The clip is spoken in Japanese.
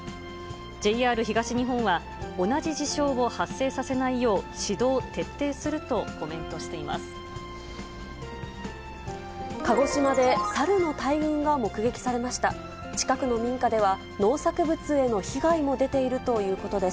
ＪＲ東日本は、同じ事象を発生させないよう、指導・徹底するとコメントしています。